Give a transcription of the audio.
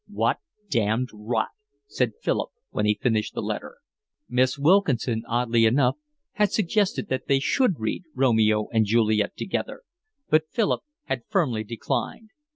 "What damned rot!" said Philip, when he finished the letter. Miss Wilkinson oddly enough had suggested that they should read Romeo and Juliet together; but Philip had firmly declined.